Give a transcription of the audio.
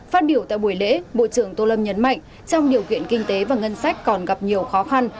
phát biểu tại buổi lễ bộ trưởng tô lâm nhấn mạnh trong điều kiện kinh tế và ngân sách còn gặp nhiều khó khăn